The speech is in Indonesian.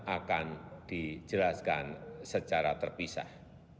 akan dijelaskan secara terpisah